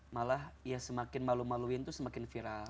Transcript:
malah ya semakin malu maluin tuh semakin viral